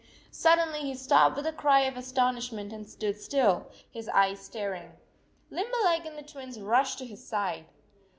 Suddenly he stopped with a cry of astonishment and stood still, his eyes staring. Limberleg and the Twins rushed to his side.